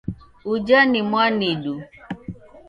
Uja ni mwanidu